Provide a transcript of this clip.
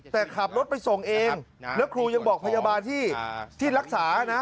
แต่ขับรถไปส่งเองแล้วครูยังบอกพยาบาลที่รักษานะ